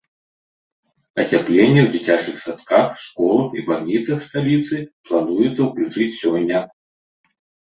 Ацяпленне ў дзіцячых садках, школах і бальніцах сталіцы плануецца ўключыць сёння.